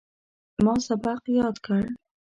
ما سبق یاد کړ.